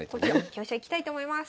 香車いきたいと思います。